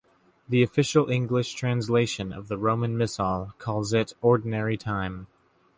The official English translation of the Roman Missal calls it Ordinary Time.